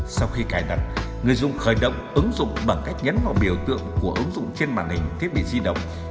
sau khi cài đặt người dùng khởi động ứng dụng bằng cách nhấn vào biểu tượng của ứng dụng trên màn hình thiết bị di động